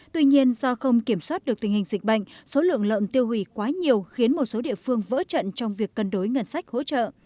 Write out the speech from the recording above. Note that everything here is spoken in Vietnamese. tuy nhiên do không kiểm soát được tình hình dịch bệnh số lượng lợn tiêu hủy quá nhiều khiến một số địa phương vỡ trận trong việc cân đối ngân sách hỗ trợ